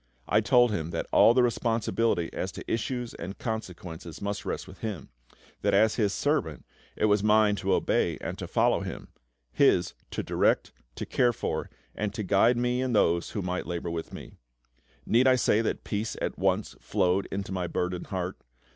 I told Him that all the responsibility as to issues and consequences must rest with Him; that as His servant, it was mine to obey and to follow Him His, to direct, to care for, and to guide me and those who might labour with me. Need I say that peace at once flowed into my burdened heart?